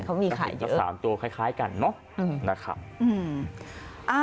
เขามีขายเยอะ